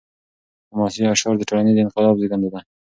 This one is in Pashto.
حماسي اشعار د ټولنیز انقلاب زیږنده دي.